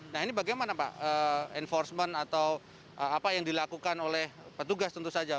nah ini bagaimana pak enforcement atau apa yang dilakukan oleh petugas tentu saja